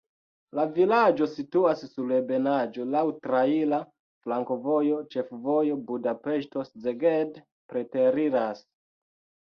La vilaĝo situas sur ebenaĵo, laŭ traira flankovojo, ĉefvojo Budapeŝto-Szeged preteriras.